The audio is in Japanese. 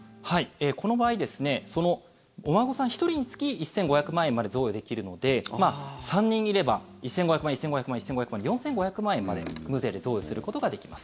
この場合そのお孫さん１人につき１５００万円まで贈与できるので３人いれば、１５００万１５００万、１５００万で４５００万円まで無税で贈与することができます。